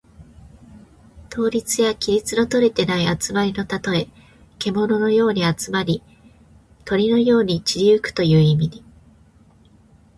統率や規律のとれていない集まりのたとえ。けもののように集まり、鳥のように散り行くという意味。